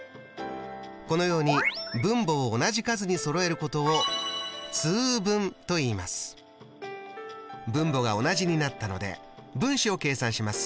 このように分母を同じ数にそろえることを分母が同じになったので分子を計算します。